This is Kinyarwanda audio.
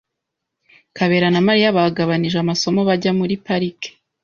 Kabera na Mariya bagabanije amasomo bajya muri pariki.